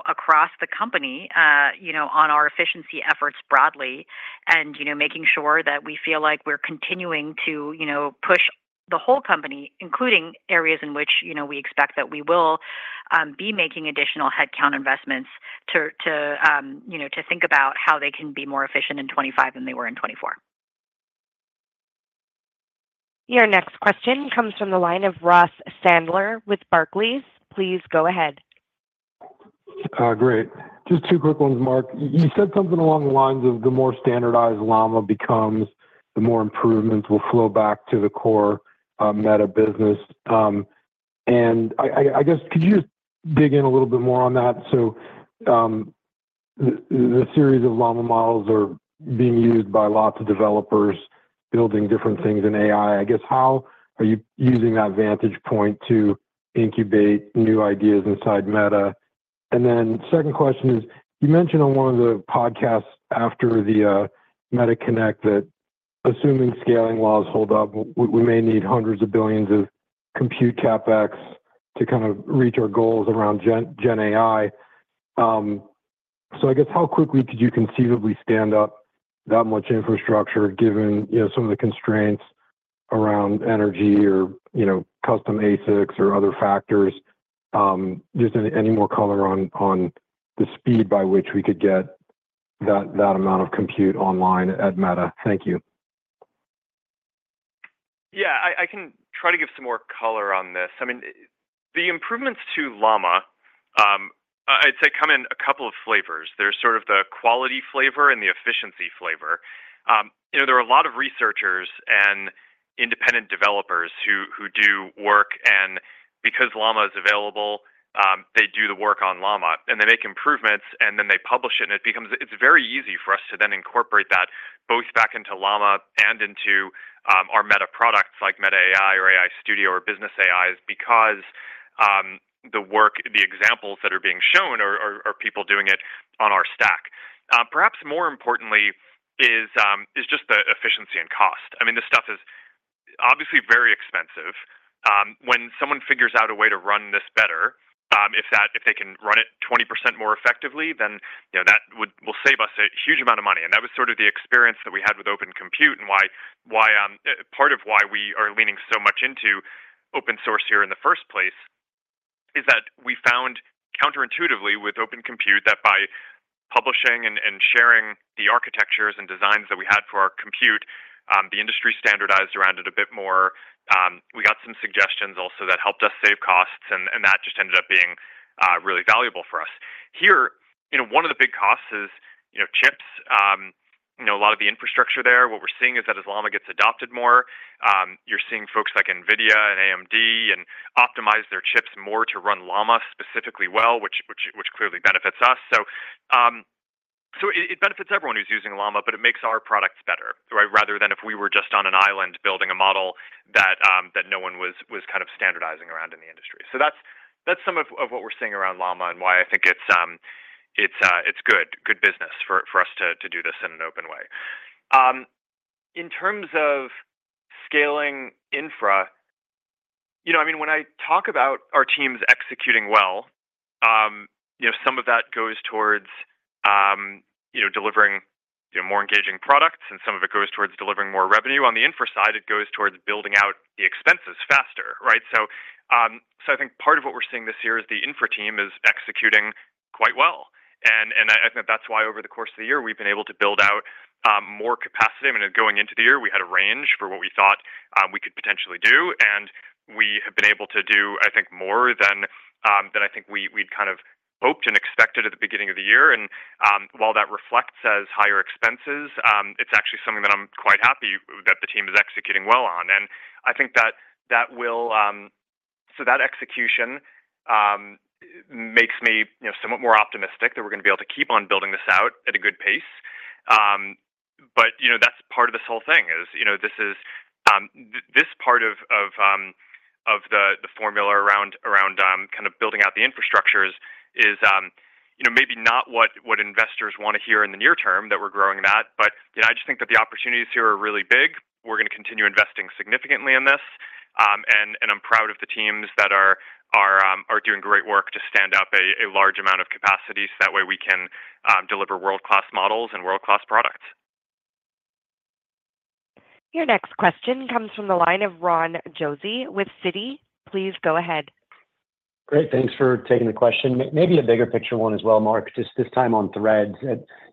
Speaker 4: across the company on our efficiency efforts broadly and making sure that we feel like we're continuing to push the whole company, including areas in which we expect that we will be making additional headcount investments to think about how they can be more efficient in 2025 than they were in 2024.
Speaker 1: Your next question comes from the line of Ross Sandler with Barclays. Please go ahead.
Speaker 9: Great. Just two quick ones, Mark. You said something along the lines of the more standardized Llama becomes, the more improvements will flow back to the core Meta business. And I guess, could you just dig in a little bit more on that? So the series of Llama models are being used by lots of developers building different things in AI. I guess, how are you using that vantage point to incubate new ideas inside Meta? The second question is, you mentioned on one of the podcasts after the Meta Connect that assuming scaling laws hold up, we may need hundreds of billions of compute CapEx to kind of reach our goals around Gen AI. So I guess, how quickly could you conceivably stand up that much infrastructure given some of the constraints around energy or custom ASICs or other factors? Just any more color on the speed by which we could get that amount of compute online at Meta? Thank you.
Speaker 3: Yeah. I can try to give some more color on this. I mean, the improvements to Llama, I'd say come in a couple of flavors. There's sort of the quality flavor and the efficiency flavor. There are a lot of researchers and independent developers who do work. Because Llama is available, they do the work on Llama, and they make improvements, and then they publish it, and it becomes. It's very easy for us to then incorporate that both back into Llama and into our Meta products like Meta AI or AI Studio or business AIs because the work, the examples that are being shown are people doing it on our stack. Perhaps more importantly is just the efficiency and cost. I mean, this stuff is obviously very expensive. When someone figures out a way to run this better, if they can run it 20% more effectively, then that will save us a huge amount of money. That was sort of the experience that we had with Open Compute and why part of why we are leaning so much into open source here in the first place is that we found counterintuitively with Open Compute that by publishing and sharing the architectures and designs that we had for our compute, the industry standardized around it a bit more. We got some suggestions also that helped us save costs, and that just ended up being really valuable for us. Here, one of the big costs is chips. A lot of the infrastructure there, what we're seeing is that as Llama gets adopted more, you're seeing folks like NVIDIA and AMD optimize their chips more to run Llama specifically well, which clearly benefits us. So it benefits everyone who's using Llama, but it makes our products better, right, rather than if we were just on an island building a model that no one was kind of standardizing around in the industry. So that's some of what we're seeing around Llama and why I think it's good business for us to do this in an open way. In terms of scaling infra, I mean, when I talk about our teams executing well, some of that goes towards delivering more engaging products, and some of it goes towards delivering more revenue. On the infra side, it goes towards building out the expenses faster, right? So I think part of what we're seeing this year is the infra team is executing quite well. And I think that's why over the course of the year, we've been able to build out more capacity. I mean, going into the year, we had a range for what we thought we could potentially do, and we have been able to do, I think, more than I think we'd kind of hoped and expected at the beginning of the year. And while that reflects as higher expenses, it's actually something that I'm quite happy that the team is executing well on. And I think that execution makes me somewhat more optimistic that we're going to be able to keep on building this out at a good pace. But that's part of this whole thing. This part of the formula around kind of building out the infrastructure is maybe not what investors want to hear in the near term, that we're growing that. But I just think that the opportunities here are really big. We're going to continue investing significantly in this. And I'm proud of the teams that are doing great work to stand up a large amount of capacity so that way we can deliver world-class models and world-class products.
Speaker 1: Your next question comes from the line of Ron Josey with Citi. Please go ahead.
Speaker 10: Great. Thanks for taking the question. Maybe a bigger picture one as well, Mark, just this time on Threads.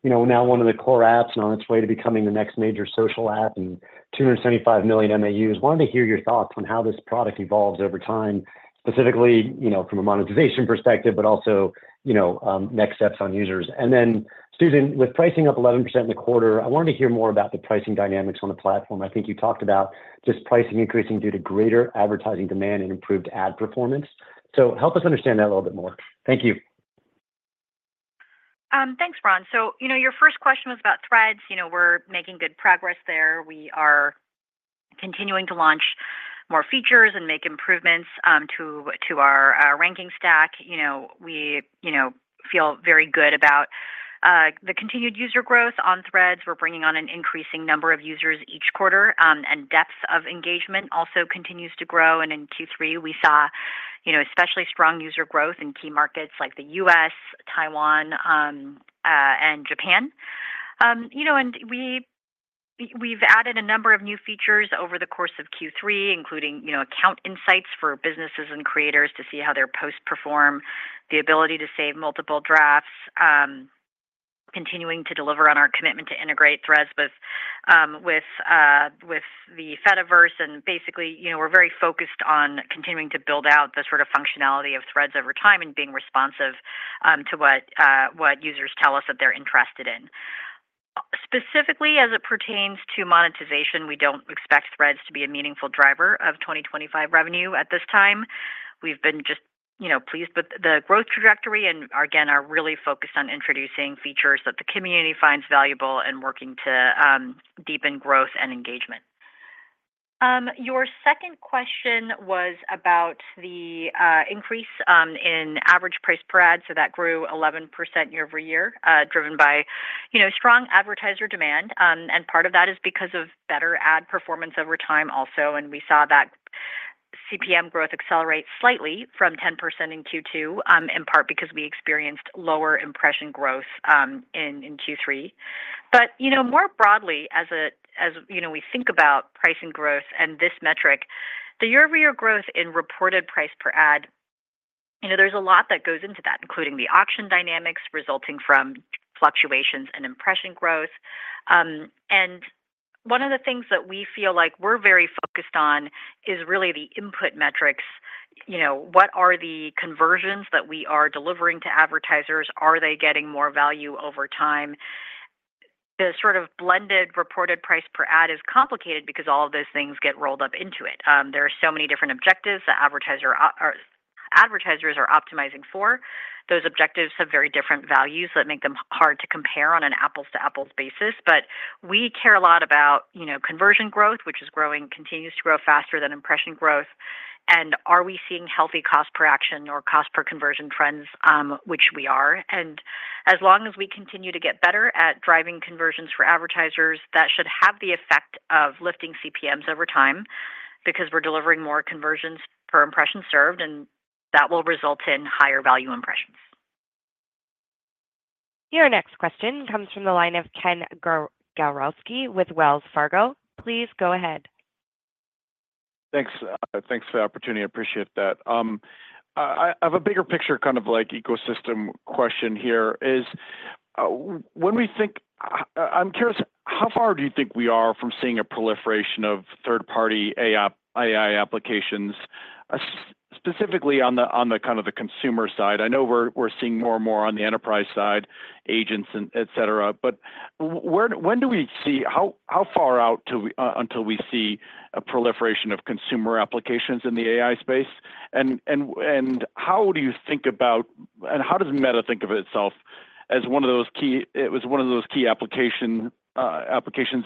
Speaker 10: Now, one of the core apps and on its way to becoming the next major social app and 275 million MAUs. Wanted to hear your thoughts on how this product evolves over time, specifically from a monetization perspective, but also next steps on users. And then, Susan, with pricing up 11% in the quarter, I wanted to hear more about the pricing dynamics on the platform. I think you talked about just pricing increasing due to greater advertising demand and improved ad performance. So help us understand that a little bit more. Thank you.
Speaker 4: Thanks, Ron. So your first question was about Threads. We're making good progress there. We are continuing to launch more features and make improvements to our ranking stack. We feel very good about the continued user growth on Threads. We're bringing on an increasing number of users each quarter, and depth of engagement also continues to grow. And in Q3, we saw especially strong user growth in key markets like the US, Taiwan, and Japan. And we've added a number of new features over the course of Q3, including account insights for businesses and creators to see how their posts perform, the ability to save multiple drafts, continuing to deliver on our commitment to integrate Threads with the Fediverse. Basically, we're very focused on continuing to build out the sort of functionality of Threads over time and being responsive to what users tell us that they're interested in. Specifically, as it pertains to monetization, we don't expect Threads to be a meaningful driver of 2025 revenue at this time. We've been just pleased with the growth trajectory and, again, are really focused on introducing features that the community finds valuable and working to deepen growth and engagement. Your second question was about the increase in average price per ad. That grew 11% year over year, driven by strong advertiser demand. Part of that is because of better ad performance over time also. We saw that CPM growth accelerate slightly from 10% in Q2, in part because we experienced lower impression growth in Q3. But more broadly, as we think about pricing growth and this metric, the year-over-year growth in reported price per ad, there's a lot that goes into that, including the auction dynamics resulting from fluctuations in impression growth. And one of the things that we feel like we're very focused on is really the input metrics. What are the conversions that we are delivering to advertisers? Are they getting more value over time? The sort of blended reported price per ad is complicated because all of those things get rolled up into it. There are so many different objectives that advertisers are optimizing for. Those objectives have very different values that make them hard to compare on an apples-to-apples basis. But we care a lot about conversion growth, which is growing, continues to grow faster than impression growth. And are we seeing healthy cost per action or cost per conversion trends, which we are? And as long as we continue to get better at driving conversions for advertisers, that should have the effect of lifting CPMs over time because we're delivering more conversions per impression served, and that will result in higher value impressions.
Speaker 1: Your next question comes from the line of Ken Gawrelski with Wells Fargo. Please go ahead.
Speaker 11: Thanks for the opportunity. I appreciate that. I have a bigger picture, kind of like ecosystem question here. When we think, I'm curious, how far do you think we are from seeing a proliferation of third-party AI applications, specifically on the kind of the consumer side? I know we're seeing more and more on the enterprise side, agents, etc. But when do we see how far out until we see a proliferation of consumer applications in the AI space? And how do you think about and how does Meta think of itself as one of those key it was one of those key applications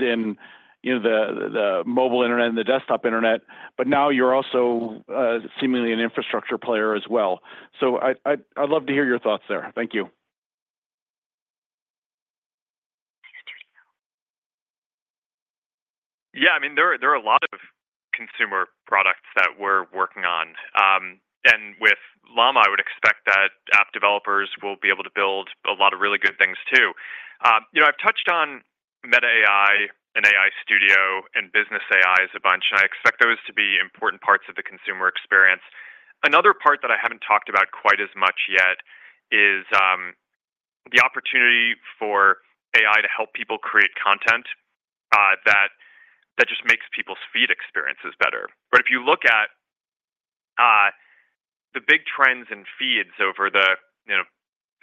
Speaker 11: in the mobile internet and the desktop internet, but now you're also seemingly an infrastructure player as well? So I'd love to hear your thoughts there. Thank you.
Speaker 3: Yeah. I mean, there are a lot of consumer products that we're working on. And with Llama, I would expect that app developers will be able to build a lot of really good things too. I've touched on Meta AI and AI Studio and business AIs a bunch, and I expect those to be important parts of the consumer experience. Another part that I haven't talked about quite as much yet is the opportunity for AI to help people create content that just makes people's feed experiences better. But if you look at the big trends in feeds over the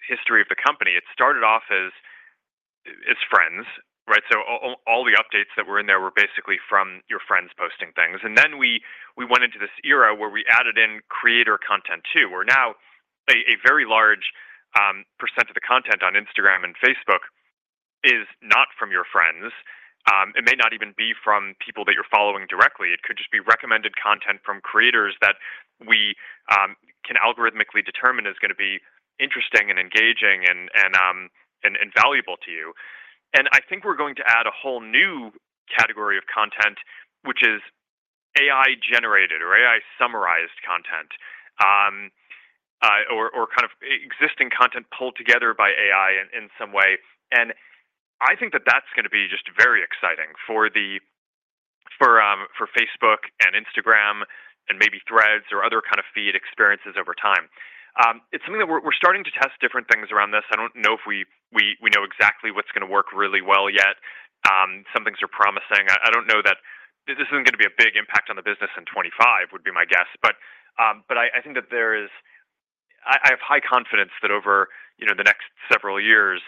Speaker 3: history of the company, it started off as friends, right? So all the updates that were in there were basically from your friends posting things. And then we went into this era where we added in creator content too, where now a very large percent of the content on Instagram and Facebook is not from your friends. It may not even be from people that you're following directly. It could just be recommended content from creators that we can algorithmically determine is going to be interesting and engaging and valuable to you. And I think we're going to add a whole new category of content, which is AI-generated or AI-summarized content or kind of existing content pulled together by AI in some way. And I think that that's going to be just very exciting for Facebook and Instagram and maybe Threads or other kind of feed experiences over time. It's something that we're starting to test different things around this. I don't know if we know exactly what's going to work really well yet. Some things are promising. I don't know that this isn't going to be a big impact on the business in 2025, would be my guess. But I think that I have high confidence that over the next several years,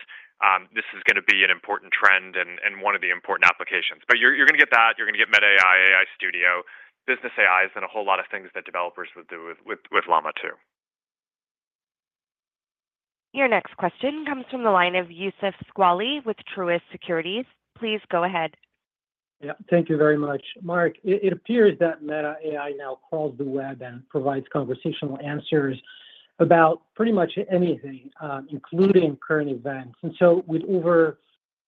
Speaker 3: this is going to be an important trend and one of the important applications. But you're going to get that. You're going to get Meta AI, AI Studio, business AIs, and a whole lot of things that developers will do with Llama, too.
Speaker 1: Your next question comes from the line of Youssef Squali with Truist Securities. Please go ahead.
Speaker 12: Yeah. Thank you very much. Mark, it appears that Meta AI now crawls the web and provides conversational answers about pretty much anything, including current events. And so with over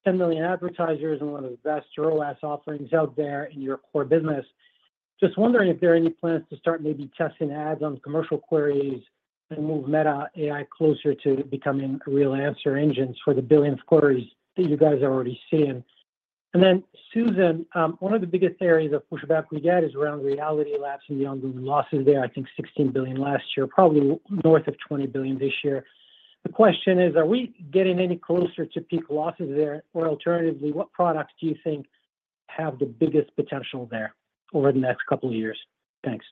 Speaker 12: 10 million advertisers and a lot of SaaS or other offerings out there in your core business, just wondering if there are any plans to start maybe testing ads on commercial queries and move Meta AI closer to becoming real answer engines for the billion queries that you guys are already seeing. And then, Susan, one of the biggest areas of pushback we get is around Reality Labs and the ongoing losses there. I think $16 billion last year, probably north of $20 billion this year. The question is, are we getting any closer to peak losses there? Or alternatively, what products do you think have the biggest potential there over the next couple of years? Thanks.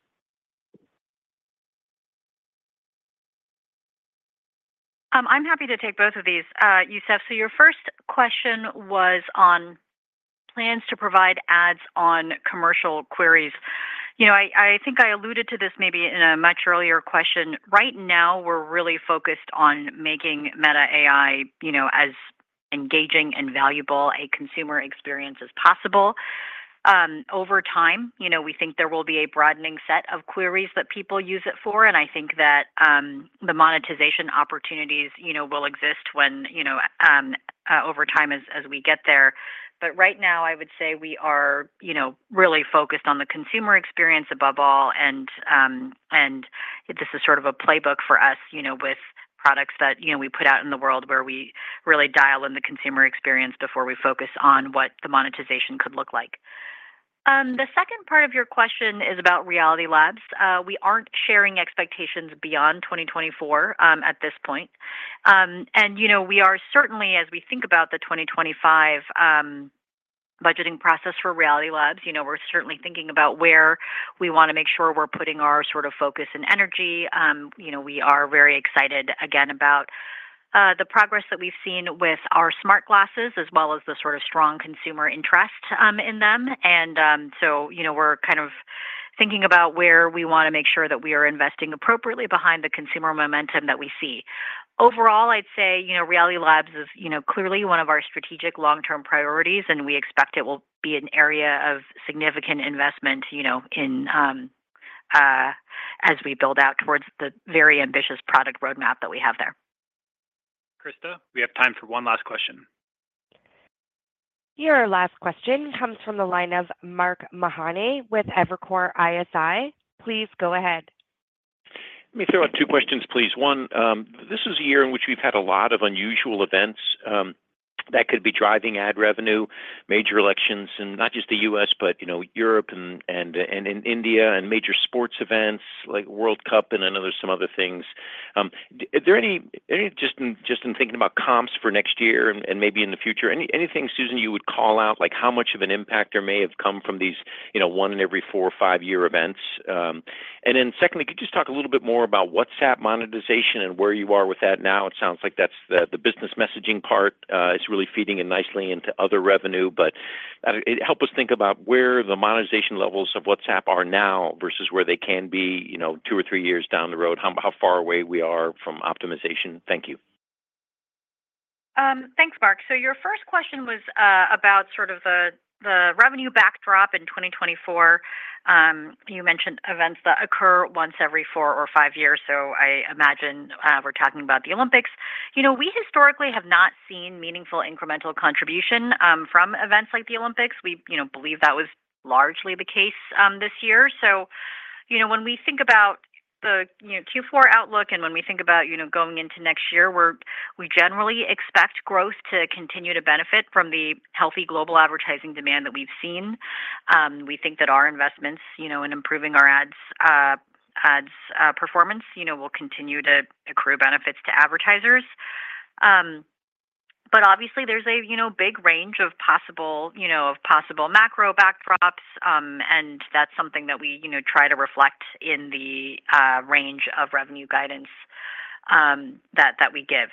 Speaker 4: I'm happy to take both of these, Youssef. So your first question was on plans to provide ads on commercial queries. I think I alluded to this maybe in a much earlier question. Right now, we're really focused on making Meta AI as engaging and valuable a consumer experience as possible. Over time, we think there will be a broadening set of queries that people use it for. And I think that the monetization opportunities will exist over time as we get there. But right now, I would say we are really focused on the consumer experience above all. And this is sort of a playbook for us with products that we put out in the world where we really dial in the consumer experience before we focus on what the monetization could look like. The second part of your question is about Reality Labs. We aren't sharing expectations beyond 2024 at this point. And we are certainly, as we think about the 2025 budgeting process for Reality Labs, we're certainly thinking about where we want to make sure we're putting our sort of focus and energy. We are very excited, again, about the progress that we've seen with our smart glasses as well as the sort of strong consumer interest in them. And so we're kind of thinking about where we want to make sure that we are investing appropriately behind the consumer momentum that we see. Overall, I'd say Reality Labs is clearly one of our strategic long-term priorities, and we expect it will be an area of significant investment as we build out towards the very ambitious product roadmap that we have there.
Speaker 3: Krista, we have time for one last question.
Speaker 1: Your last question comes from the line of Mark Mahaney with Evercore ISI. Please go ahead.
Speaker 13: Let me throw out two questions, please. One, this is a year in which we've had a lot of unusual events that could be driving ad revenue, major elections, and not just the US, but Europe and India and major sports events like World Cup and some other things. Is there anything just in thinking about comps for next year and maybe in the future, anything, Susan, you would call out how much of an impact there may have come from these one in every four- or five-year events? And then secondly, could you just talk a little bit more about WhatsApp monetization and where you are with that now? It sounds like that's the business messaging part is really feeding in nicely into other revenue. But help us think about where the monetization levels of WhatsApp are now versus where they can be two or three years down the road, how far away we are from optimization. Thank you.
Speaker 4: Thanks, Mark. So your first question was about sort of the revenue backdrop in 2024. You mentioned events that occur once every four or five years. So I imagine we're talking about the Olympics. We historically have not seen meaningful incremental contribution from events like the Olympics. We believe that was largely the case this year. So when we think about the Q4 outlook and when we think about going into next year, we generally expect growth to continue to benefit from the healthy global advertising demand that we've seen. We think that our investments in improving our ads performance will continue to accrue benefits to advertisers. But obviously, there's a big range of possible macro backdrops, and that's something that we try to reflect in the range of revenue guidance that we give.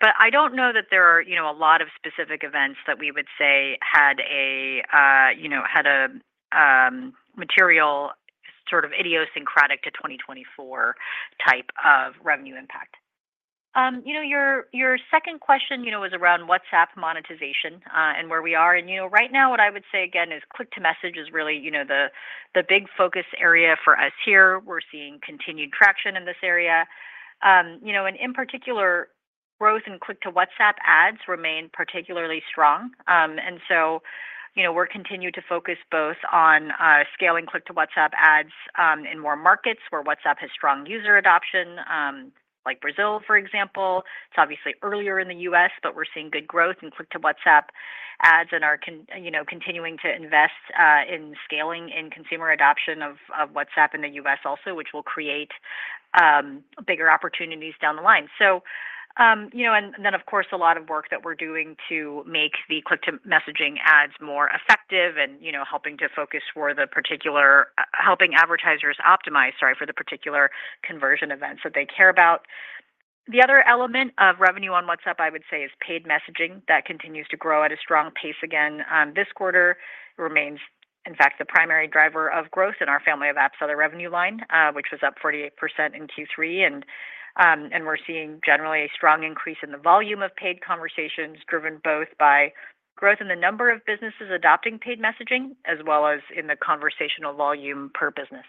Speaker 4: But I don't know that there are a lot of specific events that we would say had a material sort of idiosyncratic to 2024 type of revenue impact. Your second question was around WhatsApp monetization and where we are. Right now, what I would say again is click-to-message is really the big focus area for us here. We're seeing continued traction in this area. In particular, growth in click-to-WhatsApp ads remained particularly strong. We're continuing to focus both on scaling click-to-WhatsApp ads in more markets where WhatsApp has strong user adoption, like Brazil, for example. It's obviously earlier in the US, but we're seeing good growth in click-to-WhatsApp ads and are continuing to invest in scaling in consumer adoption of WhatsApp in the US also, which will create bigger opportunities down the line. Of course, a lot of work that we're doing to make the click-to-message ads more effective and helping to focus where the particular helping advertisers optimize, sorry, for the particular conversion events that they care about. The other element of revenue on WhatsApp, I would say, is paid messaging that continues to grow at a strong pace again this quarter. It remains, in fact, the primary driver of growth in our family of apps, other revenue line, which was up 48% in Q3, and we're seeing generally a strong increase in the volume of paid conversations driven both by growth in the number of businesses adopting paid messaging as well as in the conversational volume per business.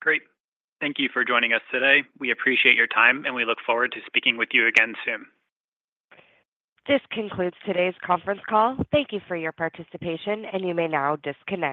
Speaker 3: Great. Thank you for joining us today. We appreciate your time, and we look forward to speaking with you again soon.
Speaker 1: This concludes today's conference call. Thank you for your participation, and you may now disconnect.